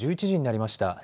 １１時になりました。